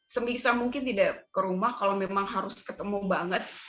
sebisa mungkin tidak ke rumah kalau memang harus ketemu banget